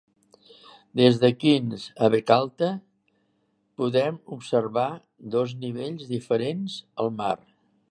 Des de Khniss a Bekalta podem observar dos nivells diferents al mar.